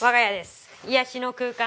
癒やしの空間。